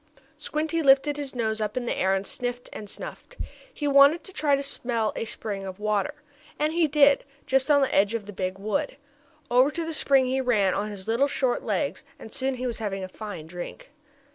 Squinty lifted his nose up in the air, and sniffed and snuffed. He wanted to try to smell a spring of water, and he did, just on the edge of the big wood. Over to the spring he ran on his little short legs, and soon he was having a fine drink.